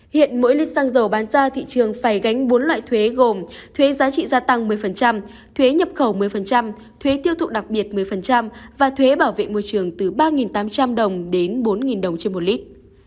hiện mỗi lít xăng dầu bán ra thị trường phải gánh bốn loại thuế gồm thuế giá trị gia tăng một mươi thuế nhập khẩu một mươi thuế tiêu thụ đặc biệt một mươi và thuế bảo vệ môi trường từ ba tám trăm linh đồng đến bốn đồng trên một lít